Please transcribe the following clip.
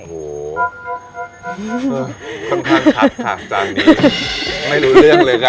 โอ้โหค่อนข้างชัดค่ะจานนี้ไม่รู้เรื่องเลยค่ะ